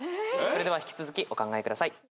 それでは引き続きお考えください。